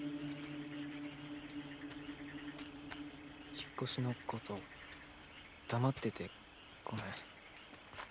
引っ越しのこと黙っててごめん。